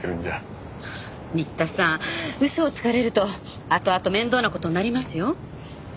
新田さん嘘をつかれると後々面倒な事になりますよ。